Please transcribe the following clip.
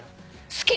好き！